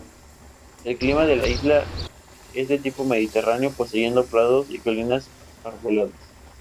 El clima de la isla es de tipo mediterráneo, poseyendo prados y colinas arboladas.